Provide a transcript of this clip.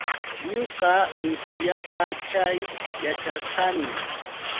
Ñuqa urqullapa chay yacharqani.